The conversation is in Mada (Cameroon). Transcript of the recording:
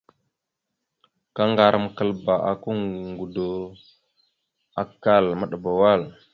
Kaŋgarəkaləba aka ŋgədo, akkal, maɗəba wal.